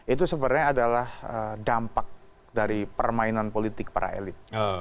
itu sebenarnya adalah dampak dari permainan politik para elit